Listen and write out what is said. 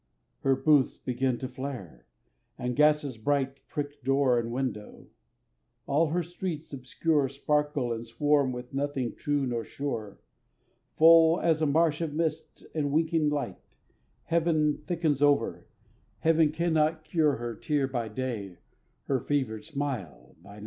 Her booths begin to flare; and gases bright Prick door and window; all her streets obscure Sparkle and swarm with nothing true nor sure, Full as a marsh of mist and winking light; Heaven thickens over, Heaven that cannot cure Her tear by day, her fevered smile by night.